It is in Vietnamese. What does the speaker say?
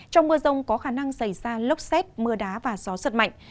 trong mưa rông có khả năng xảy ra lốc xét mưa đá và gió giật mạnh